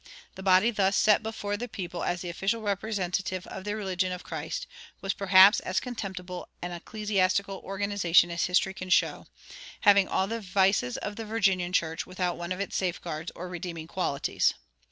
The body thus set before the people as the official representative of the religion of Christ "was perhaps as contemptible an ecclesiastical organization as history can show," having "all the vices of the Virginian church, without one of its safeguards or redeeming qualities."